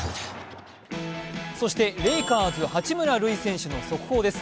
そしてレイカーズ八村塁選手の速報です。